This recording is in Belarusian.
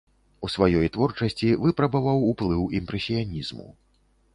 У сваёй творчасці выпрабаваў ўплыў імпрэсіянізму.